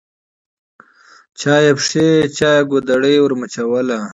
چا یې پښې چا ګودړۍ ورمچوله